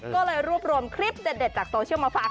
ก็เลยรวบรวมคลิปเด็ดจากโซเชียลมาฝาก